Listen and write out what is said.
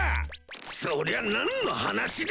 そりゃ何の話だ？